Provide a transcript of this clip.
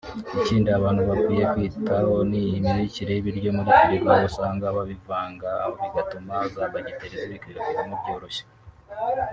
Ikindi abantu bakwiye kwitaho ni imibikire y’ibiryo muri firigo aho usanga kubivangavanga bituma za bagiteri zibikwirakwiramo byoroshye